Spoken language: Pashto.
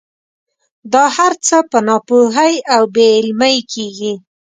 دا هر څه په ناپوهۍ او بې علمۍ کېږي.